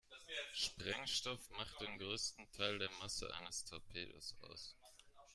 Sprengstoff macht den größten Teil der Masse eines Torpedos aus.